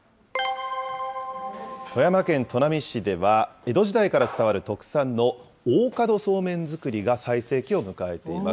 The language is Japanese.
江戸時代から伝わる特産の大門そうめん作りが最盛期を迎えています。